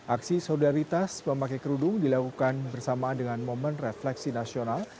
aksi solidaritas memakai kerudung dilakukan bersamaan dengan momen refleksi nasional